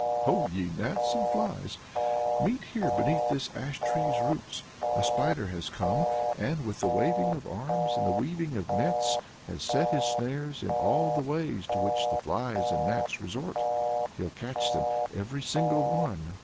"Ho, ye gnats and flies! Meet here beneath this ash tree's roots. A spider has come, and, with waving of arms and weaving of nets, has set his snares in all the ways to which the flies and gnats resort. He'll catch them, every single one!"